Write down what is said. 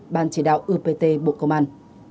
ban chỉ đạo ưpt bộ công an